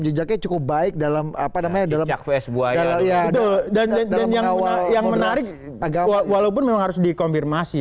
rekam cukup baik dalam apa namanya dalam cakves buaya dan yang menarik walaupun harus dikonfirmasi